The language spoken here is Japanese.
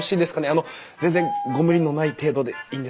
あの全然ご無理のない程度でいいんですけれども。